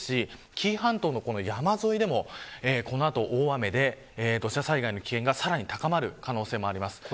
紀伊半島の山沿いでもこの後大雨で土地災害の危険がさらに高まる可能性があります。